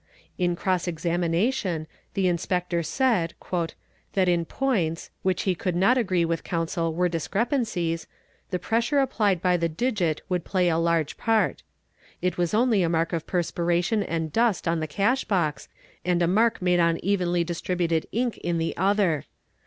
° In cross examination the Inspector said "That in points, which he could not agree with counsel were discre pancies, the pressure applied by the digit would play a large part. It was only a mark of perspiration and dust on the cash box, and a mark made on evenly distributed ink in the other.